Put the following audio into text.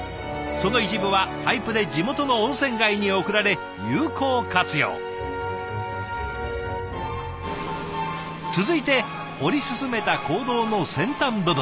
その一部はパイプで地元の温泉街に送られ有効活用。続いて掘り進めた坑道の先端部分